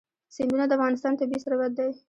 سیندونه د افغانستان طبعي ثروت دی.